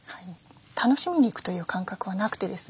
楽しみにいくという感覚はなくてですね